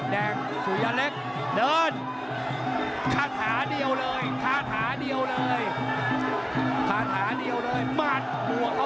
แดงสุยะเล็กเดินค้าฐาเดียวเลยมารดอวกเขาไปเลยนั่นแหละ